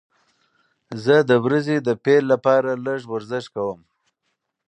زه د ورځې د پیل لپاره لږه ورزش کوم.